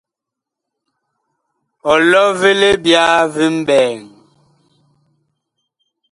Ɔlɔ vi libyaa vi mɓɛɛŋ.